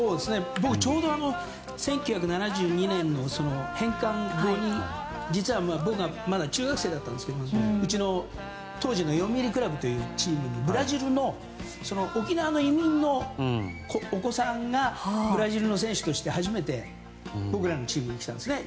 ちょうど１９７２年の返還後に実は、僕がまだ中学生だったんですけどうちの当時の読売クラブというチームにブラジルの沖縄の移民のお子さんがブラジルの選手として初めて僕らのチームに来たんですね。